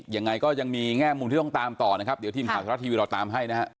ยังไงก็ยังมีแง่มุมที่ต้องตามต่อนะครับเดี๋ยวทีมข่าวทรัฐทีวีเราตามให้นะฮะ